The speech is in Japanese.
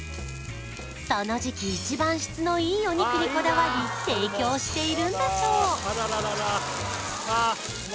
その時期一番質のいいお肉にこだわり提供しているんだそう